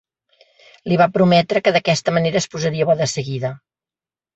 Li va prometre que d'aquesta manera es posaria bo de seguida.